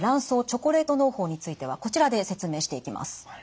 チョコレートのう胞についてはこちらで説明していきます。